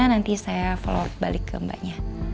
nanti saya follow balik ke mbaknya